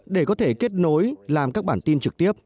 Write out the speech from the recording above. để có thể kết nối làm các bản tin